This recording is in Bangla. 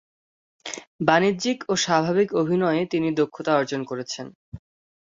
বাণিজ্যিক এবং স্বাভাবিক অভিনয়ে তিনি দক্ষতা অর্জন করেছেন।।